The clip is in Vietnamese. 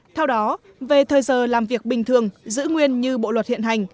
theo đó về thời giờ làm việc bình thường giữ nguyên như bộ luật hiện hành